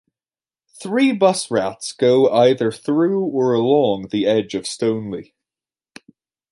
Three bus routes go either through or along the edge of Stoneleigh.